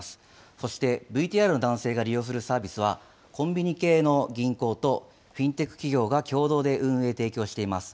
そしてＶＴＲの男性が利用するサービスは、コンビニ系の銀行とフィンテック企業が共同で運営、提供しています。